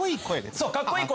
そうかっこいい声。